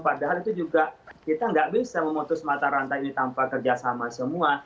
padahal itu juga kita nggak bisa memutus mata rantai ini tanpa kerjasama semua